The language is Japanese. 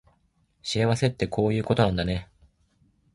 幸せってこういうことなんだね